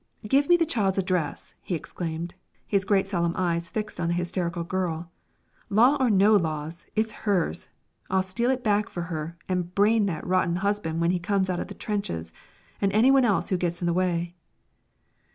"Give me the child's address," he exclaimed, his great solemn eyes fixed on the hysterical girl. "Law or no laws, it's hers. I'll steal it back for her and brain that rotten husband when he comes out of the trenches and anyone else who gets in the way!"